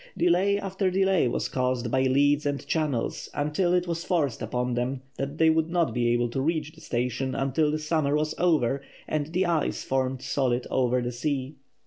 Delay after delay was caused by leads and channels, until it was forced upon them that they would not be able to reach the station until the summer was over and the ice formed solid over the sea.